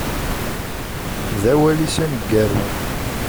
D awal-is aneggaru.